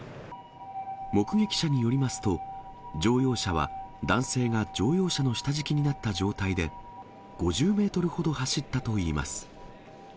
目撃者によりますと、乗用車は男性が乗用車の下敷きになった状態で、５０メートルほど走ったといいます。